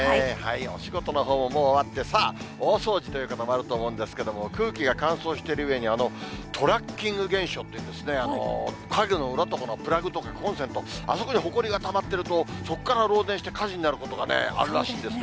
お仕事のほうももう終わって、さあ、大掃除という方もあると思うんですけども、空気が乾燥してるうえに、あのトラッキング現象っていうんですね、家具の裏とかのプラグとかコンセント、あそこにほこりがたまってると、そこから放電して火事になることがあるらしいですね。